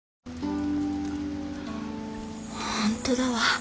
本当だわ。